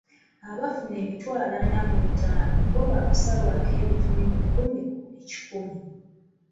Abafuna emitwalo ana mw'etaano bbo baakusalwako ebitundu kumi ku buli kikumi.